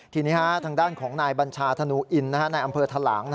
ทีนี้ทางด้านของนายบัญชาธนูอินในอำเภอทะหลัง